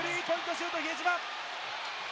シュート、比江島！